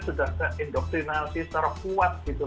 sudah terindoktrinasi secara kuat gitu